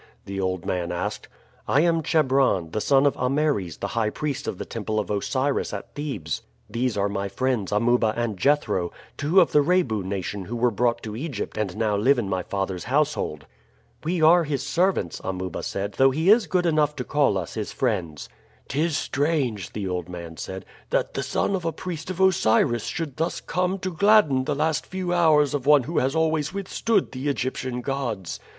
the old man asked. "I am Chebron, the son of Ameres, the high priest of the temple of Osiris at Thebes. These are my friends, Amuba and Jethro, two of the Rebu nation who were brought to Egypt and now live in my father's household." "We are his servants," Amuba said, "though he is good enough to call us his friends." "'Tis strange," the old man said, "that the son of a priest of Osiris should thus come to gladden the last few hours of one who has always withstood the Egyptian gods.